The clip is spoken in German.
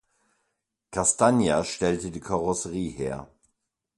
Castagna stellte die Karosserie her.